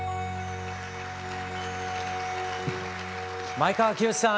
前川清さん